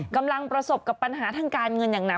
กำลังประสบกับปัญหาทางการเงินอย่างหนัก